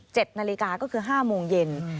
ช่วง๑๗นาฬิกาก็คือ๕โมงเย็น